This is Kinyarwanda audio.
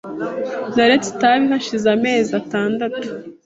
Naretse itabi hashize amezi atandatu .